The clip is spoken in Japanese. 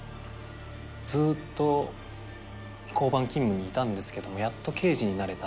ずっと交番勤務にいたんですけどやっと刑事になれたっていうような。